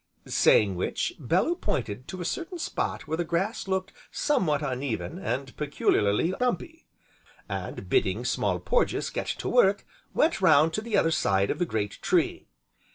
Saying which, Bellew pointed to a certain spot where the grass looked somewhat uneven, and peculiarly bumpy, and, bidding Small Porges get to work, went round to the other side of the great tree.